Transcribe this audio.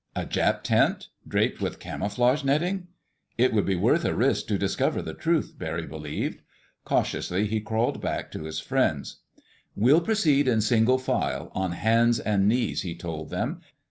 A Jap tent, draped with camouflage netting? It would be worth a risk to discover the truth, Barry believed. Cautiously he crawled back to his friends. "We'll proceed in single file, on hands and knees," he told them.